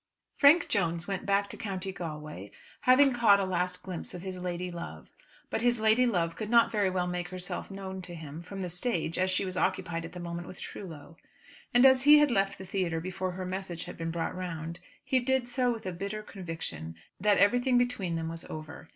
Frank Jones went back to County Galway, having caught a last glimpse of his lady love. But his lady love could not very well make herself known to him from the stage as she was occupied at the moment with Trullo. And as he had left the theatre before her message had been brought round, he did so with a bitter conviction that everything between them was over.